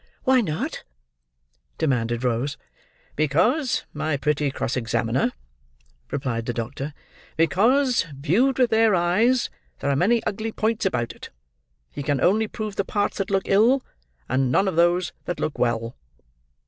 "Why not?" demanded Rose. "Because, my pretty cross examiner," replied the doctor: "because, viewed with their eyes, there are many ugly points about it; he can only prove the parts that look ill, and none of those that look well.